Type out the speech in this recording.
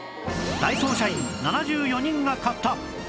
ダイソー社員７４人が買った